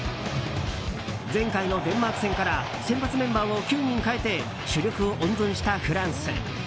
前回のデンマーク戦から先発メンバーを９人代えて主力を温存したフランス。